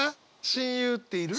親友っている？